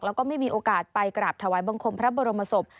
แล้วก็ไม่มีโอกาสไปกราบถวายบังคมพระบรมศพ